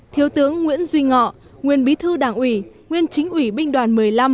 thiếu tướng nguyễn duy ngọ nguyên bí thư đảng ủy nguyên chính ủy binh đoàn một mươi năm